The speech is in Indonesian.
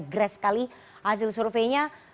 gres sekali hasil surveinya